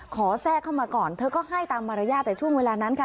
แทรกเข้ามาก่อนเธอก็ให้ตามมารยาทแต่ช่วงเวลานั้นค่ะ